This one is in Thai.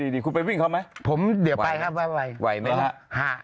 ดีคุณไปวิ่งเขาไหมผมเดี๋ยวไปครับบั๊คไว้ไม่แนะอะ